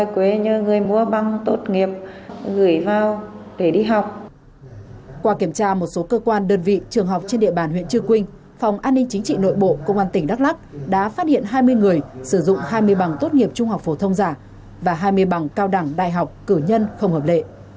qua kiểm tra một số cơ quan đơn vị trường học trên địa bàn huyện trư quynh phòng an ninh chính trị nội bộ công an tỉnh đắk lắc đã phát hiện hai mươi người sử dụng hai mươi bằng tốt nghiệp trung học phổ thông giả và hai mươi bằng cao đẳng đại học cử nhân không hợp lệ